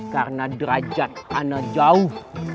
karena derajat anak jauh